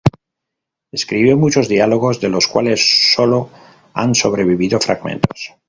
Escribió muchos diálogos, de los cuales solo han sobrevivido fragmentos.